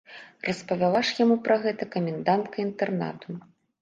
Распавяла ж яму пра гэта камендантка інтэрнату.